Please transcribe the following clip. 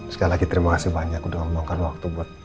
sekali lagi terima kasih banyak udah meluangkan waktu buat